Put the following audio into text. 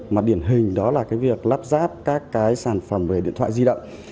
mà điển hình đó là cái việc lắp ráp các cái sản phẩm về điện thoại di động